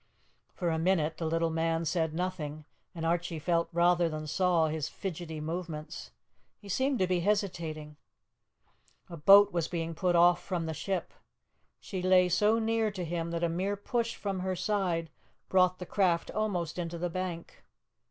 For a minute the little man said nothing, and Archie felt rather than saw his fidgety movements. He seemed to be hesitating. A boat was being put off from the ship. She lay so near to them that a mere push from her side brought the craft almost into the bank.